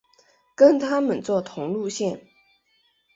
跟他们坐同路线